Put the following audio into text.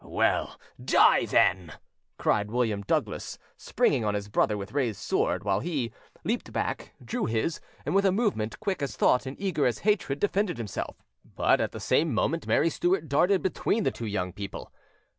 "Well, die, then!" cried William Douglas, springing on his brother with raised sword, while he, leaping back, drew his, and with a movement quick as thought and eager as hatred defended himself. But at the same moment Mary Stuart darted between the two young people.